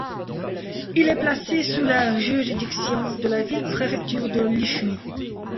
Il est placé sous la juridiction de la ville-préfecture de Lishui.